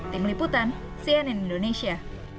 tim liputan cnn indonesia